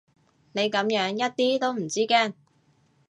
你噉樣一啲都唔知驚